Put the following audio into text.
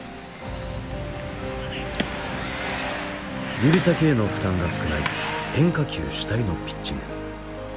指先への負担が少ない変化球主体のピッチング。